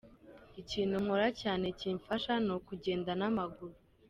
Ikintu nkora cyane kimfasha ni ukugenda n'amaguru.